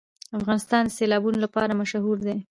افغانستان د سیلابونه لپاره مشهور دی.